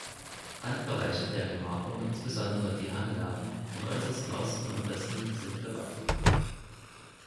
Randbereiche der Gemarkung, insbesondere die Hanglagen im äußersten Osten und Westen, sind bewaldet.